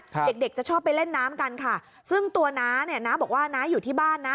เด็กเด็กจะชอบไปเล่นน้ำกันค่ะซึ่งตัวน้าเนี่ยน้าบอกว่าน้าอยู่ที่บ้านนะ